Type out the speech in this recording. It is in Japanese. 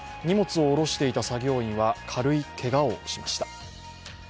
荷物を降ろしていた作業員は軽いけがをしました。